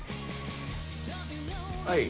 はい。